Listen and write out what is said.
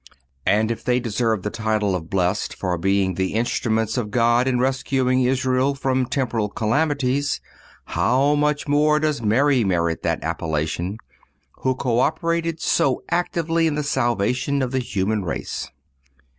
And if they deserved the title of blessed for being the instruments of God in rescuing Israel from temporal calamities, how much more does Mary merit that appellation, who co operated so actively in the salvation of the human race!